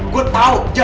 gue tau aja